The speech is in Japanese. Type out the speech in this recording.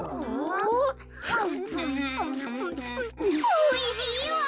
おいしいわ！